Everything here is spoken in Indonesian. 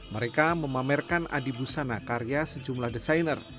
mereka memamerkan adi busana karya sejumlah desainer